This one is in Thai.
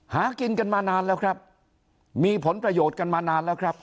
หากินกันมานานแล้วครับมีผลประโยชน์กันมานานแล้วครับ